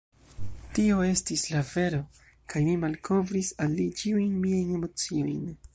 Tio estis la vero, kaj mi malkovris al li ĉiujn miajn emociojn.